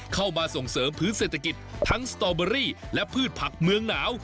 เข้ามาส่งเสริมพื้นเศรษฐกิจทั้งสตอเบอรี่และพืชผักเมืองหนาว